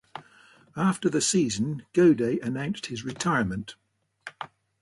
After the season Gaudet announced his retirement.